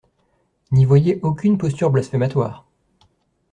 N’y voyez aucune posture blasphématoire.